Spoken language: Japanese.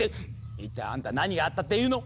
一体あんた何があったっていうの？